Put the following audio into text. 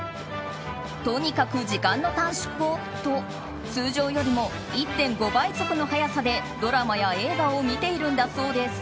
とにかく時間の短縮をと通常よりも１．５倍速の速さでドラマや映画を見ているんだそうです。